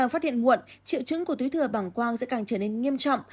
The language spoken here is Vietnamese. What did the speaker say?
phát hiện muộn triệu chứng của túi thừa bằng quang sẽ càng trở nên nghiêm trọng